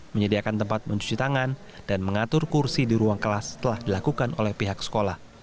menyediakan tempat mencuci tangan dan mengatur kursi di ruang kelas telah dilakukan oleh pihak sekolah